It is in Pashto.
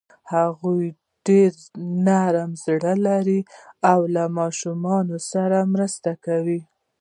هغوی ډېر نرم زړه لري او له ماشومانو سره مرسته کوي.